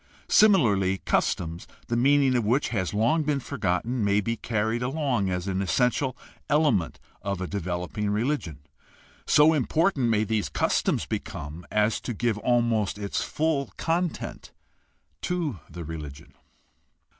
Similarly, customs, the meaning of which has long been forgotten , may be carried along as essential elements of a developing religion. So important may these customs become as to give almost its full content to the religion.